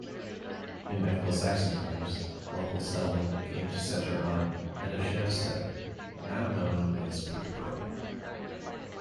In Anglo-Saxon times, local settlement came to centre on Medeshamstede, now known as Peterborough.